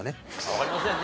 わかりませんね。